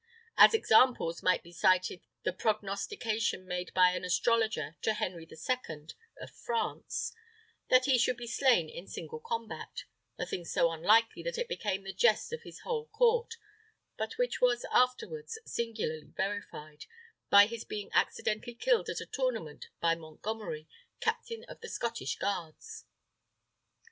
As examples might be cited the prognostication made by an astrologer to Henry the Second of France, that he should be slain in single combat; a thing so unlikely that it became the jest of his whole court, but which was afterwards singularly verified, by his being accidentally killed at a tournament by Montgomery, captain of the Scottish guards.